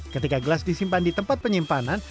ketika gelas disimpan di tempat penyimpanan